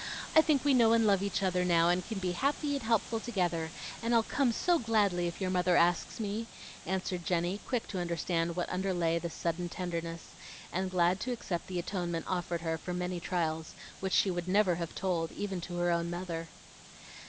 I think we know and love each other now, and can be happy and helpful together, and I'll come so gladly if your mother asks me," answered Jenny, quick to understand what underlay this sudden tenderness, and glad to accept the atonement offered her for many trials which she would never have told even to her own mother.